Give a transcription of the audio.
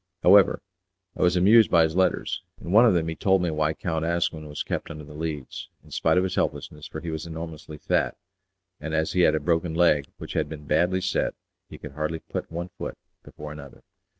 However, I was amused by his letters. In one of them he told me why Count Asquin was kept under the Leads, in spite of his helplessness, for he was enormously fat, and as he had a broken leg which had been badly set he could hardly put one foot before another.